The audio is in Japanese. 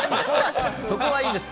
そこはいいんです。